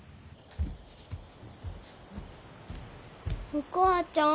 お母ちゃん。